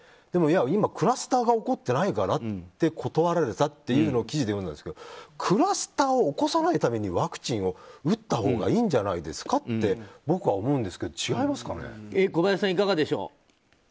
でも今クラスターが起こってないからって断られたというのを記事で読んだんですけどクラスターを起こさないためにワクチンを打ったほうがいいんじゃないですかって僕は思うんですけど小林さん、いかがでしょう。